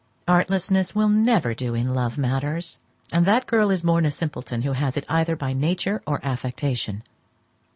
Artlessness will never do in love matters; and that girl is born a simpleton who has it either by nature or affectation.